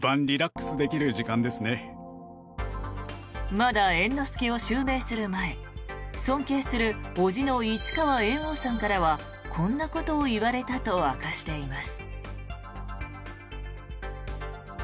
まだ猿之助を襲名する前尊敬する伯父の市川猿翁さんからはこんなことを言われたと明かしています。